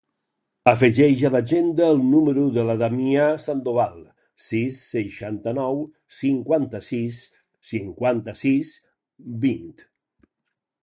Afegeix a l'agenda el número de la Damià Sandoval: sis, seixanta-nou, cinquanta-sis, cinquanta-sis, vint.